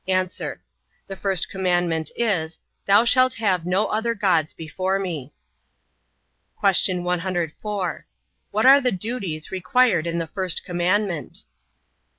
A. The first commandment is, Thou shalt have no other gods before me. Q. 104. What are the duties required in the first commandment?